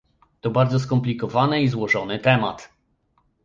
To bardzo skomplikowany i złożony temat